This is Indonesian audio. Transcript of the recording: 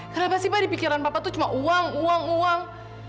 kenapa sih pak di pikiran bapak tuh cuma uang uang